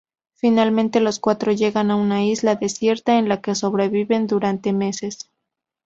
Finalmente los cuatro llegan a una isla desierta en la que sobreviven durante meses.